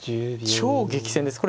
超激戦です。